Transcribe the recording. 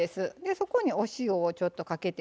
そこにお塩をちょっとかけて。